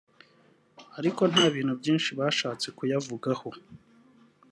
ariko nta bintu byinshi bashatse kuyavugaho